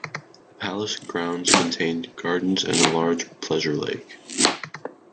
The palace grounds contained gardens and a large pleasure lake.